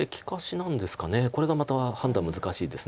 これがまた判断難しいです。